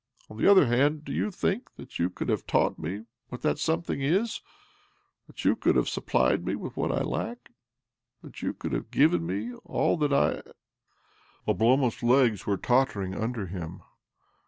On the other hand, do you think that you could have taught me what that something is, that yoa could have supplied me with what I lack^ that you could have given me all that I ?" Oblomov's legs were tottering under him.